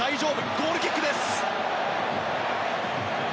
ゴールキックです。